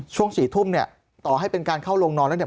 ช่วง๔ทุ่มต่อให้เป็นการเข้าโรงนอนแล้ว